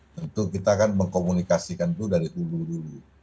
tentu kita akan mengkomunikasikan dulu dari hulu dulu